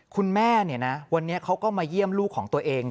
คุณแม่วันนี้เขาก็มาเยี่ยมลูกของตัวเอง